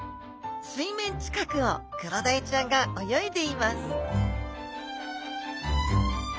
水面近くをクロダイちゃんが泳いでいます